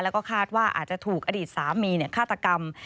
แล้วก็คาดว่าอาจจะถูกอดีตสามีฆาตกรรม